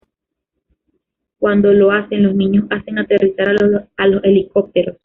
Cuando lo hacen, los niños hacen aterrizar a los helicópteros.